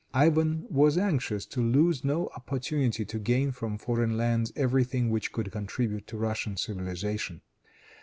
Ivan was anxious to lose no opportunity to gain from foreign lands every thing which could contribute to Russian civilization.